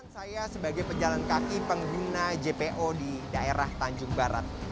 saya sebagai pejalan kaki pengguna jpo di daerah tanjung barat